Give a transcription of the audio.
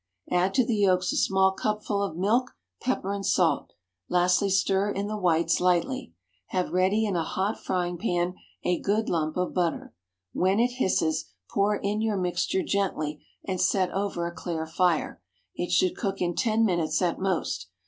Add to the yolks a small cupful of milk, pepper, and salt; lastly stir in the whites lightly. Have ready in a hot frying pan a good lump of butter. When it hisses, pour in your mixture gently and set over a clear fire. It should cook in ten minutes at most.